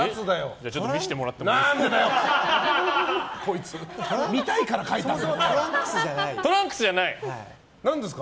じゃあ見せてもらってもいいですか？